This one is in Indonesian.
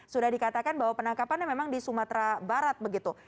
sudah dikatakan bahwa penangkapannya memang di sumatera barat begitu